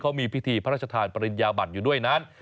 เขามีพิธีพระราชทานปริญญาบัตรอยู่ด้วยนั้น